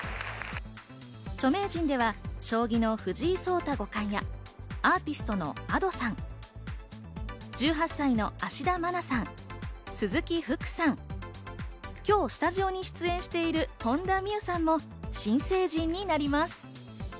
著名人では将棋の藤井聡太五冠や、アーティストのＡｄｏさん、１８歳の芦田愛菜さん、鈴木福さん、今日スタジオに出演している本田望結さんも新成人になります。